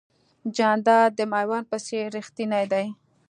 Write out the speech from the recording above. جانداد د مېوند په څېر رښتینی دی.